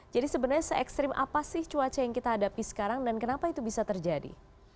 jadi sebenarnya se ekstrim apa sih cuaca yang kita hadapi sekarang dan kenapa itu bisa terjadi